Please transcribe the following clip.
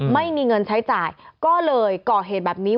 ไม่มีเงินใช้จ่ายก็เลยก่อเหตุแบบนี้